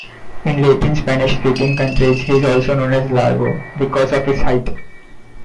In Latin Spanish-speaking countries, he is known as Largo, because of his height.